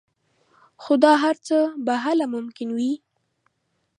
خو دا هر څه به هله ممکن وي